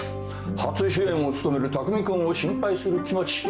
初主演を務める匠君を心配する気持ち。